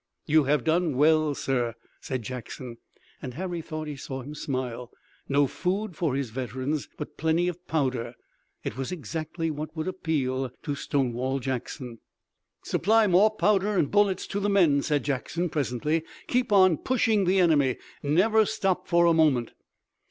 "You have done well, sir," said Jackson, and Harry thought he saw him smile. No food for his veterans, but plenty of powder. It was exactly what would appeal to Stonewall Jackson. "Supply more powder and bullets to the men," said Jackson presently. "Keep on pushing the enemy! Never stop for a moment."